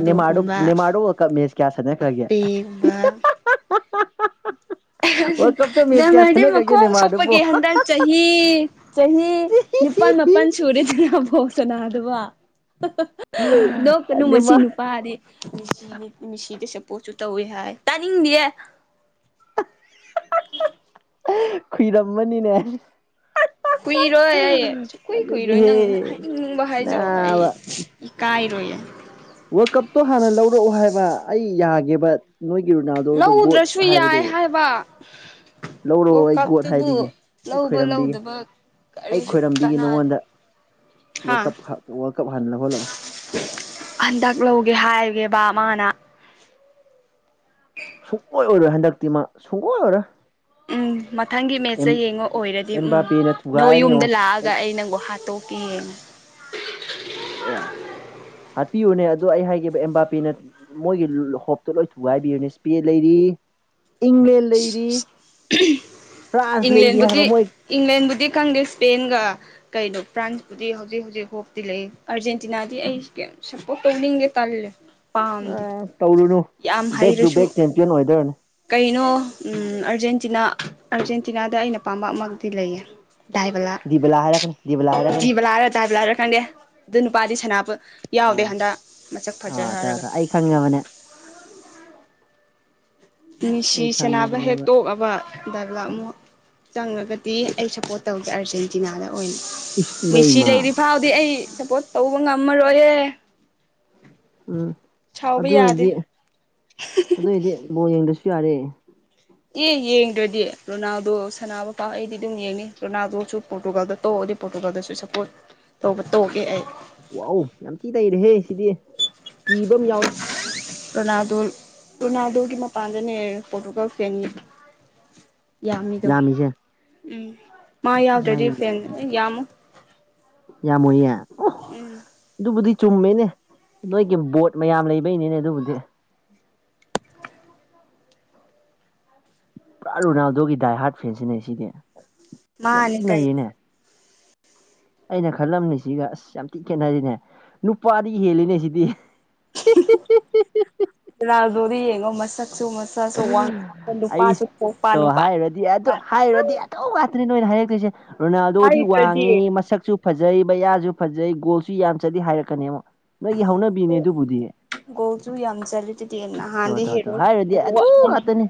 [SPEAKER 2] ꯅꯦꯃꯥꯗꯧ ꯅꯅꯤꯃꯥꯔꯣꯛ ꯀꯞ ꯃꯦꯁ ꯀꯌꯥ ꯁꯥꯟꯅꯈ꯭ꯔꯒꯦ
[SPEAKER 1] ꯄꯦꯒꯨꯝꯕ
[SPEAKER 2] ꯋꯥꯔꯜ ꯀꯞꯇ
[SPEAKER 1] ꯅ
[SPEAKER 2] ꯃꯦꯠꯆ ꯀꯌꯥ
[SPEAKER 1] ꯍꯥꯏꯗꯤ
[SPEAKER 2] ꯁꯥꯟꯅꯈ꯭ꯔꯒꯦ
[SPEAKER 1] ꯃꯈꯣꯡ
[SPEAKER 2] ꯅꯦꯃꯥꯔꯗꯨꯕꯣ
[SPEAKER 1] ꯁꯣꯛꯄꯒꯤ ꯍꯟꯗꯛ ꯆꯍꯤ ꯆꯍꯤ ꯅꯤꯄꯥꯜ ꯃꯥꯄꯜ ꯁꯨꯨꯔꯦꯗꯅꯐꯣꯛꯁꯅ ꯑꯗꯨꯒ ꯅꯣꯛ ꯀꯅꯨ ꯃꯁꯤ
[SPEAKER 2] ꯅꯦꯃꯥ
[SPEAKER 1] ꯅꯨꯄꯥꯔꯦ ꯁꯤ ꯃꯤꯁꯤꯗ ꯁꯦꯄꯣꯠꯁꯨ ꯇꯧꯏꯦ ꯍꯥꯏ ꯇꯥꯅꯤꯡꯗꯌꯦ
[SPEAKER 2] ꯈꯨꯏꯔꯝꯃꯅꯤꯅꯦ
[SPEAKER 1] ꯀꯨꯏꯔꯣꯏ ꯑꯩ ꯁ ꯀꯨꯏ ꯀꯨꯏꯔꯣꯏ ꯅꯪ
[SPEAKER 2] ꯐꯖꯗꯦꯍꯦ
[SPEAKER 1] ꯍꯥꯏꯅꯤꯡꯅꯤꯡꯕ ꯍꯥꯏꯖꯧ ꯑꯩ
[SPEAKER 2] ꯅꯥꯕ
[SPEAKER 1] ꯀꯥꯏ ꯇꯣꯏꯏ
[SPEAKER 2] ꯋꯥꯔꯛ ꯀꯞꯇꯣ ꯍꯥꯟꯅ ꯂꯧꯔꯛꯑꯣ ꯍꯥꯏꯕ ꯑꯩ ꯌꯥꯒꯦꯕ ꯅꯣꯏꯒꯤ ꯔꯨꯅꯥꯗꯣꯗ ꯒꯣꯠ
[SPEAKER 1] ꯂꯧꯗ꯭ꯔꯁꯨ ꯌꯥꯏ
[SPEAKER 2] ꯍꯥꯏꯕꯗꯨꯣ
[SPEAKER 1] (unintelligible)
[SPEAKER 2] ꯂꯧꯔꯣꯑꯣ
[SPEAKER 1] ꯋꯥꯔꯜ
[SPEAKER 2] ꯑꯩ ꯒꯣꯠ
[SPEAKER 1] ꯀꯞꯇꯨꯕꯨ
[SPEAKER 2] ꯍꯥꯏꯕꯤꯒꯦ ꯑꯩ
[SPEAKER 1] ꯂꯧꯕ
[SPEAKER 2] ꯈꯣꯏꯔꯝꯕꯤꯒꯦ
[SPEAKER 1] ꯂꯧꯗꯕ
[SPEAKER 2] ꯑꯩ ꯈꯣꯏꯔꯝꯕꯤꯒꯦ ꯅꯉꯣꯟꯗ
[SPEAKER 1] ꯑ ꯍꯟꯗꯛ ꯂꯧꯒꯦ ꯍꯥꯏꯒꯦꯕ ꯃꯥꯅ
[SPEAKER 2] ꯁꯨꯡꯑꯣꯣꯏ ꯑꯣꯏꯔꯣꯏ ꯍꯟꯗꯛꯇꯤ ꯃꯥ ꯁꯨꯡꯑꯣꯣꯏ ꯑꯣꯏꯔꯣꯏ
[SPEAKER 1] ꯎꯝ ꯃꯊꯪꯒꯤ
[SPEAKER 2] ꯑꯦꯝ
[SPEAKER 1] ꯃꯦꯠꯆꯁꯁ ꯌꯦꯡꯉꯣ ꯑꯣꯏꯔꯗꯤ ꯎꯝ
[SPEAKER 2] ꯑꯦꯝꯕꯥꯄꯦꯅ
[SPEAKER 1] ꯅꯣꯏ
[SPEAKER 2] ꯊꯨꯒꯥꯏꯔꯅꯤ
[SPEAKER 1] ꯌꯨꯝꯗ ꯂꯥꯛꯑꯒ
[SPEAKER 2] ꯌꯦꯡꯉꯣ
[SPEAKER 1] ꯑꯩ ꯅꯪꯒꯣ ꯍꯥꯠꯇꯣꯛꯀ ꯌꯦꯡꯉ
[SPEAKER 2] ꯑꯦ ꯍꯥꯠꯄꯤꯌꯨꯅꯦ ꯑꯗꯣ ꯑꯩ ꯍꯥꯏꯈꯤꯕ ꯑꯦꯝꯕꯥꯄꯤꯦꯅ ꯃꯣꯏꯒꯤ ꯍꯣꯞꯇꯣ ꯂꯣꯏ ꯊꯨꯒꯥꯏꯕꯤꯌꯨꯅꯦꯄꯦ ꯂꯩꯔꯤ ꯏꯪꯪꯂꯦ ꯂꯩꯔꯤ ꯐ꯭ꯔꯥꯟꯁ ꯂꯩꯔꯤ
[SPEAKER 1] ꯏꯪꯂꯦꯟꯕꯨꯗꯤ
[SPEAKER 2] ꯍꯥꯏꯕ ꯃꯣꯏ
[SPEAKER 1] ꯏꯪꯂꯦꯟꯕꯨꯗꯤ ꯈꯪꯗꯦ ꯏꯁꯄꯦꯟꯒ ꯀꯩꯅꯣ ꯐ꯭ꯔꯥꯟꯁꯄꯨꯗꯤ ꯍꯧꯖꯤꯛ ꯍꯧꯖꯤꯛ ꯍꯣꯛꯇꯤ ꯂꯩ ꯑꯥꯔꯖꯦꯟꯇꯤꯅꯥꯗꯤ ꯑꯩ ꯀꯩ ꯁꯞꯄꯣꯔꯠ ꯇꯧꯅꯤꯡꯒꯦ ꯇꯥꯜꯂꯦ ꯄꯥꯝꯗꯦ
[SPEAKER 2] ꯑ ꯇꯧꯔꯨꯅꯨ
[SPEAKER 1] ꯌꯥꯝ
[SPEAKER 2] ꯕꯦꯛ ꯇꯨ
[SPEAKER 1] ꯍꯩꯔꯁꯨ
[SPEAKER 2] ꯕꯦꯛ ꯆꯦꯝꯄꯤꯌꯟ ꯑꯣꯏꯗꯣꯏꯔꯅꯦ
[SPEAKER 1] ꯀꯩꯅꯣ ꯎꯝ ꯑꯔꯖꯦꯟꯇꯤꯅꯥ ꯑꯔꯖꯦꯟꯇꯤꯅꯥꯗ ꯑꯩꯅ ꯄꯥꯝꯕꯃꯛꯇꯤ ꯂꯩꯌꯦ ꯗꯥꯥꯏꯕꯂꯥ
[SPEAKER 2] ꯗꯤꯕꯂꯥ ꯍꯥꯏꯔꯛꯀꯅꯤ ꯗꯤꯕꯂꯥ ꯍꯥꯏꯔꯛꯀꯅꯤ
[SPEAKER 1] ꯤꯕꯂꯔ ꯗꯗꯥꯥꯏꯕꯂꯥꯔ ꯀꯗꯤꯦ ꯑꯗꯨ ꯅꯨꯄꯥꯗꯤ ꯁꯅꯥꯅꯕ ꯌꯥꯎꯗꯦ
[SPEAKER 2] ꯑꯥ
[SPEAKER 1] ꯍꯟꯗꯛ ꯃꯁꯛ ꯐꯖꯩꯦ
[SPEAKER 2] ꯑꯥ ꯇꯥ
[SPEAKER 1] ꯍꯥꯏꯔꯒ
[SPEAKER 2] ꯇꯥ ꯑꯩ ꯈꯪꯉꯕꯅꯦ
[SPEAKER 1] ꯅꯤꯁꯤ
[SPEAKER 2] ꯑꯩ
[SPEAKER 1] ꯆꯅꯕ ꯍꯦꯛ
[SPEAKER 2] ꯈꯪꯉꯕꯅꯦꯕ
[SPEAKER 1] ꯇꯣꯛꯑꯕ ꯑꯗꯨꯒ ꯑꯃꯨꯛ ꯆꯪꯉꯒꯗꯤ ꯑꯩ ꯁꯞꯄꯣꯔꯠ ꯇꯧꯒꯦ ꯑꯔꯖꯦꯟꯇꯤꯅꯥꯗ ꯑꯣꯏ
[SPEAKER 2] ꯏꯁ
[SPEAKER 1] ꯃꯤꯦꯁꯤ
[SPEAKER 2] ꯏꯃꯩꯃꯥ
[SPEAKER 1] ꯂꯩꯔꯤ ꯐꯥꯎꯗꯤ ꯑꯩ ꯁꯄꯣ ꯇꯧꯕ ꯉꯃꯜꯔꯣꯔꯦ
[SPEAKER 2] ꯑ
[SPEAKER 1] ꯁꯥꯎꯕ ꯌꯥꯗꯦ
[SPEAKER 2] ꯑꯗꯨꯑꯣ ꯑꯣꯏꯏꯗꯤ ꯣ ꯌꯦꯡꯗ꯭ꯔꯁꯨ ꯌꯥꯔꯦ
[SPEAKER 1] ꯑꯦ ꯌꯦꯡꯗ꯭ꯔꯗꯤ ꯔꯣꯅꯥꯜꯗꯣ ꯁꯅꯥ ꯃꯄꯥꯥ ꯑꯩꯗꯤ ꯑꯗꯨꯝ ꯌꯦꯡꯅꯤ ꯔꯣꯅꯥꯜꯗꯣꯁꯨ ꯄꯣꯔꯇꯨꯒꯥꯜꯗ ꯇꯧꯑꯣ ꯑ ꯄ꯭ꯔꯣꯇꯣꯒꯗꯁꯨ ꯁꯞꯄꯣꯔꯠ ꯇꯧꯕ ꯇꯧꯒꯦ ꯑꯩ
[SPEAKER 2] ꯋꯥꯎ ꯌꯥꯝ ꯊꯤ ꯇꯩꯔꯦꯍꯦ ꯁꯤꯗꯤ ꯀꯤꯕ ꯑꯃ ꯌꯥꯎꯔꯦ
[SPEAKER 1] ꯔꯣꯅꯥꯜꯗꯣ ꯔꯣꯅꯥꯜꯗꯣ ꯀꯃ ꯄꯥꯟꯖꯅꯦ ꯄꯣꯣꯔꯇꯨꯒꯜ ꯐꯅꯤ ꯌꯥꯝꯃꯤꯗꯣ
[SPEAKER 2] ꯌꯥꯝꯃꯤꯁꯦ
[SPEAKER 1] ꯎꯝ ꯃꯥ ꯌꯥꯎꯗ꯭ꯔꯗꯤ ꯐꯦꯟ ꯑꯦ ꯌꯥꯝꯃꯨ
[SPEAKER 2] ꯌꯥꯝꯨꯦ ꯑꯣ
[SPEAKER 1] ꯎꯝ
[SPEAKER 2] ꯑꯗꯨꯕꯨꯗꯤ ꯆꯨꯝꯃꯤꯅꯦ ꯅꯣꯏꯒꯤ ꯕꯣꯠ ꯃꯌꯥꯝ ꯂꯩꯕꯩꯅꯤꯅꯦ ꯑꯗꯨꯕꯨꯗꯤ ꯄꯨꯔꯥ ꯔꯣꯅꯥꯜꯗꯣꯒꯤ ꯗꯥꯏ ꯍꯥꯔꯠ ꯐꯦꯟꯁꯤꯅꯦ ꯁꯤꯗꯤ ꯌꯥꯝ ꯊꯤ
[SPEAKER 1] ꯃꯥꯅꯦ ꯀꯩ
[SPEAKER 2] ꯅꯩꯌꯦꯅꯦ ꯑꯩꯅ ꯈꯜꯂꯝꯅꯤ ꯁꯤꯒ ꯑꯁ ꯌꯥꯝ ꯊꯤꯛ ꯈꯦꯠꯅꯔꯤꯅꯦ ꯅꯨꯄꯥꯗꯤ ꯍꯦꯜꯂꯤꯅꯦ ꯁꯤꯗꯤ
[SPEAKER 1] ꯔꫭꯅꯥꯜꯗꯣꯗꫭ ꯌꯦꯡꯉꯣ ꯃꯁꯛ ꯁꯛꯁꯨ ꯃꯁꯁꯨ ꯋꯥꯡ ꯆꯥꯎꯕ
[SPEAKER 2] ꯑꯩ
[SPEAKER 1] ꯅꯨꯄꯥꯁꯨ ꯄꯣꯛꯄ
[SPEAKER 2] ꯇꯣ
[SPEAKER 1] ꯅꯨꯄꯥ
[SPEAKER 2] ꯑꯗꯨꯗꯤ ꯅꯣꯏꯅ ꯍꯥꯏꯔꯛꯇ꯭ꯣꯏꯁꯦ ꯔꯣꯅꯥꯜꯗꯣꯗꯤ
[SPEAKER 1] ꯍꯥꯏꯗ꯭ꯔꯗꯤ
[SPEAKER 2] ꯋꯥꯡꯉꯦ ꯃꯁꯛꯁꯨ ꯐꯖꯩ ꯃꯕꯌꯥꯁꯨ ꯐꯖꯩ ꯒꯣꯜꯁꯨ ꯌꯥꯝ ꯆꯠꯂꯤ ꯍꯥꯏꯔꯛꯀꯅꯦ ꯑꯃꯨꯛ ꯅꯣꯏꯒꯤ ꯍꯧꯅꯕꯤꯅꯦ
[SPEAKER 1] ꯑꯣ
[SPEAKER 2] ꯑꯗꯨꯕꯨꯗꯤ
[SPEAKER 1] ꯒꫭꯜꯁꯨ ꯌꯥꯝ ꯆꯂꯤꯗꯨꯗꯤ
[SPEAKER 2] ꯇꯣ
[SPEAKER 1] ꯅꯍꯥꯟꯗꯤ
[SPEAKER 2] ꯇꯣ ꯇꯣ
[SPEAKER 1] ꯍꯔꫭ
[SPEAKER 2] ꯍꯥꯏꯔꯨꯔꯗꯤ ꯑꯗꯨ ꯉꯥꯛꯇꯅꯤ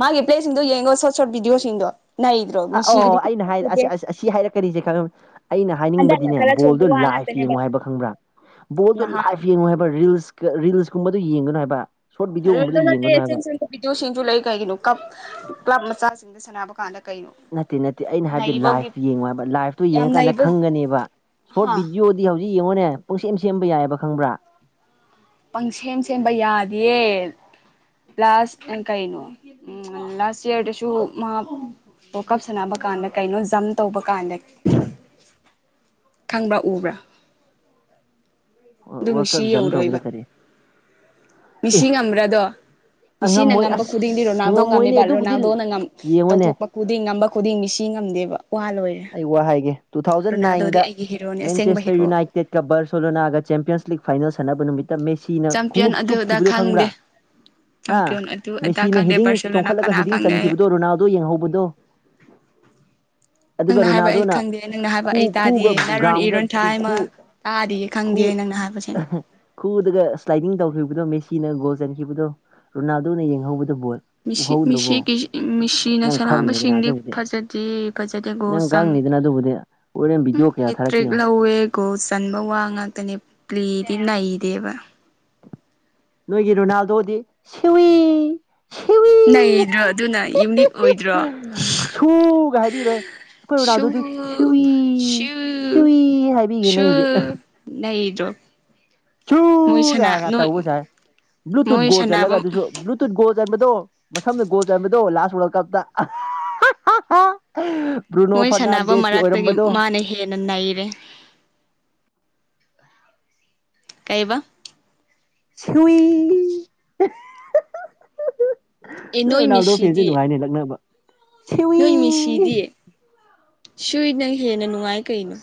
[SPEAKER 1] ꯃꯥꯒꯤ ꯄ꯭ꯂꯦꯁꯤꯡꯗꯣ ꯌꯦꯡꯉꯣ ꯁꯣꯔꯠ ꯁꯣꯔꯠ ꯚꯤꯗꯤꯑꯣꯁꯤꯡꯗꯣ ꯅꯩꯗ꯭ꯔꯣ
[SPEAKER 2] ꯑꯥ ꯑꯣ
[SPEAKER 1] ꯃꯤꯁꯤꯒꯤꯗꯤ
[SPEAKER 2] ꯑꯩꯅ ꯍꯥꯏ ꯑ
[SPEAKER 1] ꯎꯗꯦ
[SPEAKER 2] ꯑꯁꯤ ꯍꯥꯏꯔ ꯀꯔꯤꯁꯦ ꯈꯪꯉꯃꯤ ꯑꯩꯅ
[SPEAKER 1] ꯍꯟꯗꯛꯅ
[SPEAKER 2] ꯍꯥꯏꯅꯤꯡꯕꯗꯤꯅꯦ
[SPEAKER 1] ꯈꯔ ꯁꯣꯟꯕ
[SPEAKER 2] ꯕꯣꯜꯗꯨ
[SPEAKER 1] ꯋꯥ
[SPEAKER 2] ꯂꯥꯏꯐ
[SPEAKER 1] ꯉꯥꯛꯇꯅꯦꯕ
[SPEAKER 2] ꯌꯦꯡꯉꯣ ꯍꯥꯏꯕ ꯈꯪꯕ꯭ꯔꯥ ꯕꯣꯜꯗꯨ
[SPEAKER 1] ꯅꯍꯥꯟ
[SPEAKER 2] ꯂꯥꯏꯐ ꯌꯦꯡꯉꯣ ꯍꯥꯏꯕ ꯔꯤꯜꯁ ꯔꯤꯜꯁꯀꯨꯝꯕꯗꯨ ꯌꯦꯡꯒꯅꯨ ꯍꯥꯏꯕ ꯁꯣꯔꯠ ꯚꯤꯗꯤꯑꯣꯒꯨꯝꯕꯗꯣ
[SPEAKER 1] ꯔꯤꯜꯁꯗ‌ ꯅꯠꯇꯦ
[SPEAKER 2] ꯌꯦꯡꯒꯅꯨ ꯍꯥꯏꯕ
[SPEAKER 1] ꯁ ꯕꯤꯗꯤꯑꯣ ꯁꯤꯡꯁꯨ ꯂꯩ ꯀꯩꯒꯤꯅꯣ ꯀ ꯀ꯭ꯂꯕ ꯃꯆꯥꯁꯤꯡꯗ ꯁꯥꯟꯅꯕ ꯀꯥꯟꯗ ꯀꯩꯅꯣ
[SPEAKER 2] ꯅꯠꯇꯦ ꯅꯠꯇꯦ ꯑꯩꯅ ꯍꯥꯏꯕꯗꯤ
[SPEAKER 1] ꯅꯩꯕꯒꯤ
[SPEAKER 2] ꯂꯥꯏꯐ ꯌꯦꯡꯉꯣ ꯍꯥꯏꯕ ꯂꯥꯏꯐꯇꯨ
[SPEAKER 1] ꯌꯥꯝ
[SPEAKER 2] ꯌꯦꯡꯉꯀꯥꯟꯗ
[SPEAKER 1] ꯅꯩꯕ
[SPEAKER 2] ꯈꯪꯒꯅꯦꯕ ꯁꯣꯔꯠ
[SPEAKER 1] ꯍꯥ
[SPEAKER 2] ꯚꯤꯗꯤꯑꯣꯗꯤ ꯍꯧꯖꯤꯛ ꯌꯦꯡꯉꯣꯅꯦ ꯄꯨꯡ ꯁꯦꯝ ꯁꯦꯝꯕ ꯌꯥꯏꯑꯕ ꯈꯪꯕ꯭ꯔꯥ
[SPEAKER 1] ꯄꯪ ꯁꯦꯝ ꯁꯦꯝꯕ ꯌꯥꯗꯤꯌꯦ ꯂꯥꯁ ꯀꯥꯏꯅꫭ ꯎꯝ ꯂꯥꯁ ꯏꯌꯔꯗꯁꯨ ꯃꯥ ꯋꯥꯔꯜꯀꯞ ꯁꯥꯟꯅꯕ ꯀꯥꯟꯗ ꯀꯩꯅꯣ ꯖꯝ ꯇꯧꯕ ꯀꯥꯟꯗ
[SPEAKER 2] (inaudible)
[SPEAKER 1] ꯈꯪꯕ꯭ꯔꯥ ꯎꯕ꯭ꯔꯥ ꯑꯗꯨ
[SPEAKER 2] ꯋꯥꯔꯜ ꯀꯞ
[SPEAKER 1] ꯃꯤꯁꯤ
[SPEAKER 2] ꯑꯦꯛꯖꯥꯝ ꯇꯧꯕꯗ
[SPEAKER 1] ꯌꯧꯔꯣꯏꯕ
[SPEAKER 2] ꯀꯔꯤ
[SPEAKER 1] ꯃꯤꯁꯤ ꯆꯝꯕꯥ ꯑꯗꯨ
[SPEAKER 2] ꯑꯦ
[SPEAKER 1] ꯃꯤꯁꯤꯅ
[SPEAKER 2] ꯉꯝꯃꯣꯏ
[SPEAKER 1] ꯉꯝꯕ ꯈꯨꯗꯤꯡꯗꯤ
[SPEAKER 2] ꯑꯁ
[SPEAKER 1] ꯔꯣꯅꯥꯜꯗꯣ ꯉꯝꯃꯤ
[SPEAKER 2] ꯉꯝꯃꯣꯏꯅꯦ
[SPEAKER 1] ꯕ
[SPEAKER 2] ꯑꯗꯨꯕꯨꯗꯤ
[SPEAKER 1] ꯔꯣꯅꯥꯜꯗꯣꯅ
[SPEAKER 2] ꯌꯦꯡꯉꯨꯅꯦ
[SPEAKER 1] ꯇꯧꯊꯣꯛꯄ ꯈꯨꯗꯤꯡ ꯉꯝꯕ ꯈꯨꯗꯤꯡ ꯃꯤꯁꯤ ꯁꯤ ꯉꯝꯗꯦꯕ ꯋꯥ ꯂꯣꯏꯔꯦ
[SPEAKER 2] ꯑꯩ ꯋꯥ ꯍꯥꯏꯒꯦ ꯇꯨ ꯊꯥꯎꯖꯟ
[SPEAKER 1] ꯔꯣꯅꯥꯜꯗꯣꯗꯤ
[SPEAKER 2] ꯅꯥꯏꯟꯗ
[SPEAKER 1] ꯑꯩꯒꯤ ꯍꯦꯔꯣꯅꯦ ꯑꯁꯦꯡꯕ
[SPEAKER 2] ꯃꯦꯟꯆꯦꯁꯇꯔ
[SPEAKER 1] ꯍꯦꯔꯣ
[SPEAKER 2] ꯌꯨꯅꯥꯏꯇꯦꯠꯀ ꯕꯥꯔꯁꯣꯂꯣꯅꯥꯒ ꯆꯦꯝꯄꯤꯌꯟꯁ ꯂꯤꯒ ꯐꯥꯏꯅꯦꯜꯁ ꯁꯥꯟꯅꯕ ꯅꯨꯃꯤꯠ ꯃꯦꯁꯤꯅ
[SPEAKER 1] ꯆꯝꯄꯤꯌꯟ
[SPEAKER 2] ꯈꯣꯡꯎꯞ
[SPEAKER 1] ꯑꯗꯨꯗ
[SPEAKER 2] ꯆꯨꯞꯈꯤꯕꯗꯣ ꯈꯪꯕ꯭ꯔꯥ
[SPEAKER 1] ꯈꯪꯗꯦ
[SPEAKER 2] ꯍꯥ
[SPEAKER 1] ꯆꯝꯄꯤꯌꯟ ꯑꯗꯨ ꯑꯗꯥ
[SPEAKER 2] ꯃꯦꯁꯤꯅ
[SPEAKER 1] ꯈꯪꯗꯦ
[SPEAKER 2] ꯍꯤꯗꯤꯡ
[SPEAKER 1] ꯕꯥꯔꯁꯦꯂꯣꯅꯥ
[SPEAKER 2] ꯇꯣꯡꯈꯠꯂꯒ
[SPEAKER 1] ꯀꯅꯥ
[SPEAKER 2] ꯍꯤꯗꯤꯡ
[SPEAKER 1] ꯈꯪꯗꯦ
[SPEAKER 2] ꯆꯟꯈꯤꯕꯗꯣ ꯔꯣꯅꯥꯜꯗꯣ ꯌꯦꯡꯍꯧꯕꯗꯣ (inaudible) ꯑꯗꯨꯒ
[SPEAKER 1] ꯅꯪꯅ ꯍꯥꯏꯕ ꯑꯩ
[SPEAKER 2] ꯔꯣꯅꯥꯜꯗꯣꯅ
[SPEAKER 1] ꯈꯪꯗꯦ ꯅꯪꯅ ꯍꯥꯏꯕ
[SPEAKER 2] ꯈꯨ
[SPEAKER 1] ꯑꯩ ꯇꯥꯗꯤꯌꯦ
[SPEAKER 2] ꯈꯨꯒ
[SPEAKER 1] ꯅꯥꯔꯣꯟ
[SPEAKER 2] ꯒ꯭ꯔꯥꯎꯟꯗ
[SPEAKER 1] ꯏꯔꯣꯟꯊꯥ
[SPEAKER 2] ꯈꯨ
[SPEAKER 1] ꯍꯥꯏꯃ
[SPEAKER 2] ꯈꯨ
[SPEAKER 1] ꯇꯥꯗꯤꯌꯦ
[SPEAKER 2] ꯈꯨ
[SPEAKER 1] ꯈꯪꯗꯦ ꯅꯪꯅ ꯍꯥꯏꯕꯁꯦ
[SPEAKER 2] ꯈꯨꯗꯒ ꯁ꯭ꯂꯥꯏꯗꯤꯡ ꯇꯧꯈꯤꯕꯗꯣ ꯃꯦ ꯁꯤꯅ ꯒꯣꯜ ꯆꯟꯈꯤꯕꯗꯣ ꯔꯣꯅꯥꯜꯗꯣꯅ ꯌꯦꯡꯍꯧꯕꯗ
[SPEAKER 1] ꯃꯤꯁꯤꯒꯤ ꯃꯤꯁꯤꯅ
[SPEAKER 2] ꯅꯪ ꯈꯪꯅꯤꯗꯅ
[SPEAKER 1] ꯁꯥꯟꯅꯕꯁꯤꯡꯗꯤ
[SPEAKER 2] ꯑꯗꯨꯕꯨꯗꯤ
[SPEAKER 1] ꯐꯖꯗꯦ ꯐꯖꯗꯦ ꯒꯣꯜ
[SPEAKER 2] ꯅꯪ
[SPEAKER 1] ꯆꯪ
[SPEAKER 2] ꯈꯪꯅꯤꯗꯅ ꯑꯗꯨꯕꯨꯗꯤ ꯍꯣꯔꯦꯟ
[SPEAKER 1] ꯎꯝ
[SPEAKER 2] ꯚꯤꯗꯤꯑꯣ ꯀꯌꯥ ꯊꯥꯔꯛꯀꯦ
[SPEAKER 1] ꯍꯦꯇ꯭ꯔꯤꯛ
[SPEAKER 2] ꯌꯦꯡꯉꯣ
[SPEAKER 1] ꯂꯧꯋꯦ ꯒꯣꯜ ꯆꯟꯕ ꯋꯥ ꯉꯥꯛꯇꯅꯦ ꯄ꯭ꯂꯤꯗꯤ ꯅꯩ ꯗꯦꯕ
[SPEAKER 2] ꯅꯣꯏꯒꯤ ꯔꯣꯅꯥꯜꯗꯣꯗꯤ ꯁꯨꯏꯋꯤ
[SPEAKER 1] ꯅꯩꯗ꯭ꯔꯣ ꯑꯗꯨꯅ ꯌꯨꯅꯤꯛ ꯑꯣꯏꯗ꯭ꯔꯣ
[SPEAKER 2] ꯒ ꯍꯥꯏꯕꯤꯔꯣꯏ ꯑꯩꯈꯣꯏ
[SPEAKER 1] ꯁꯨ
[SPEAKER 2] ꯑꯣꯔꯥꯜꯗꫭ ꯗꯨ ꯁꯋꯤ
[SPEAKER 1] ꯁꯨ
[SPEAKER 2] ꯁꯋꯤ ꯍꯥꯏꯕꯤꯒꯦ ꯅꯣꯏ ꯏꯗꯤ
[SPEAKER 1] ꯕ (unintelligible)
[SPEAKER 2] ꯁꯨ ꯀꯌꯥ ꯈꯥꯛ ꯇꯁꯦ
[SPEAKER 1] ꯃꯣꯏ
[SPEAKER 2] ꯕ꯭ꯂꯨꯇꯨꯠ ꯣꯜ ꯆꯠꯂꯒ
[SPEAKER 1] ꯁꯥꯟꯅꯕ
[SPEAKER 2] ꯑꯗꯨꯁꯨ ꯭ꯂꯨꯇꯨꯠ ꯣꯜ (unintelligible) ꯆꯟꯕꯗꯣ ꯃꯁꯝꯅ ꯒꯣꯜ ꯆꯟꯕꯗꯣ ꯂꯥꯁ ꯋꯥꯔꯜ ꯀꯞꯇꯥ ꯕ꯭ꯔꯨꯅꯣ ꯐꯔꯅꯥꯟꯗꯦꯁꯀꯤ ꯑꯣꯏꯔꯝꯕꯗꯣ
[SPEAKER 1] ꯅ ꯅꯩꯏꯔꯦ ꯀꯩꯕ
[SPEAKER 2] ꯁꯨꯏꯋꯤ
[SPEAKER 1] ꯑꯦ
[SPEAKER 2] ꯅꯣꯏ ꯔꯣꯅꯥꯜꯗꯣ ꯐꯦꯟꯁꯦ
[SPEAKER 1] ꯃꯤꯁꯤꯗꯤ
[SPEAKER 2] ꯅꯨꯡꯉꯥꯏꯅꯦ ꯂꯛꯅꯕ
[SPEAKER 1] ꯅꯣꯏ ꯃꯤꯁꯤꯗꯤ
[SPEAKER 2] ꯁꯤꯋꯤ
[SPEAKER 1] ꯁꯨꯏꯅ ꯍꯦꯟꯅ ꯅꯨꯡꯉꯥꯏ ꯀꯩꯅꯣ